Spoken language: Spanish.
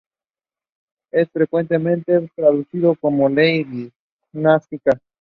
Es frecuentemente traducido como "ley dinástica".